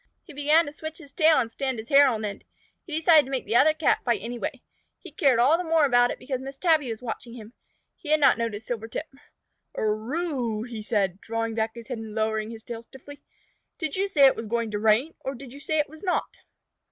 He began to switch his tail and stand his hair on end. He decided to make the other Cat fight anyway. He cared all the more about it because Miss Tabby was watching him. He had not noticed Silvertip. "Er oo!" said he, drawing back his head and lowering his tail stiffly. "Did you say it was going to rain, or did you say it was not?"